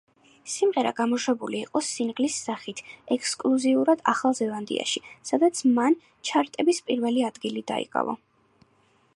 სიმღერა გამოშვებული იყო სინგლის სახით ექსკლუზიურად ახალ ზელანდიაში, სადაც მან ჩარტების პირველი ადგილი დაიკავა.